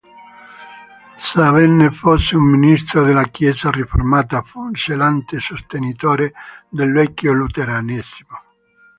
Sebbene fosse un ministro della Chiesa riformata, fu un zelante sostenitore del vecchio luteranesimo.